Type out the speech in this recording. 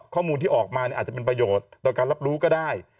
ข้อมูลที่ออกมาอาจจะเป็นประโยชน์ต่อการรับรู้ก็ได้